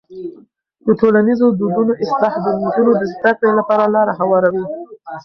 د ټولنیزو دودونو اصلاح د نجونو د زده کړې لپاره لاره هواروي.